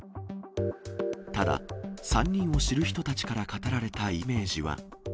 ただ、３人を知る人たちから語られたイメージは。